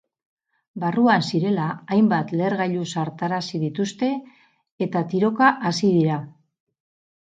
Barruan zirela, hainbat lehergailu zartarazi dituzte eta tiroka hasi dira.